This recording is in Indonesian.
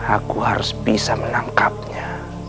aku harus bisa menangkapnya